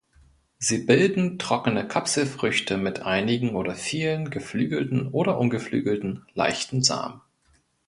Sie bilden trockene Kapselfrüchte mit einigen oder vielen, geflügelten oder ungeflügelten, leichten Samen.